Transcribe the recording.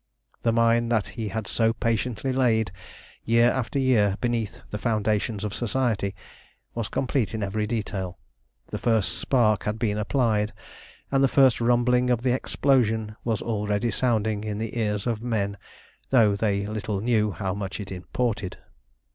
The mine that he had so patiently laid, year after year, beneath the foundations of Society, was complete in every detail, the first spark had been applied, and the first rumbling of the explosion was already sounding in the ears of men, though they little knew how much it imported.